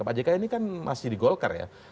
pak jk ini kan masih di golkar ya